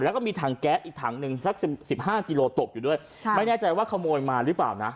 แล้วก็มีถังแก๊สอีกถังหนึ่งสักสิบสิบห้ากิโลตกอยู่ด้วยไม่แน่ใจว่าขโมยมาหรือเปล่านะ